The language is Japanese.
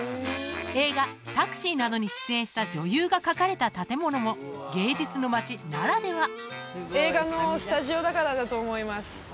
映画「ＴＡＸｉ」などに出演した女優が描かれた建物も芸術の街ならでは映画のスタジオだからだと思います